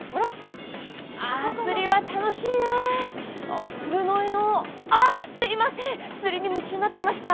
釣りは楽しいね釣れないなあ、すみません、釣りに夢中になってました。